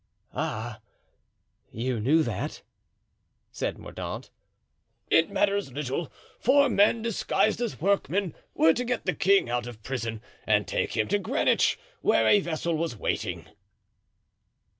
"Ah, you knew that?" said Mordaunt. "It matters little. Four men, disguised as workmen, were to get the king out of prison and take him to Greenwich, where a vessel was waiting."